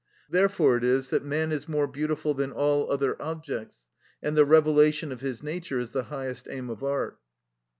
Therefore it is that man is more beautiful than all other objects, and the revelation of his nature is the highest aim of art.